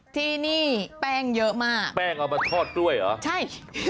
ที่นี่แป้งเยอะมากแป้งเอามาทอดกล้วยเหรอใช่